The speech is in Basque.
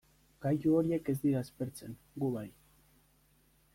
Gailu horiek ez dira aspertzen, gu bai.